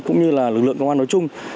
cũng như lực lượng công an nói chung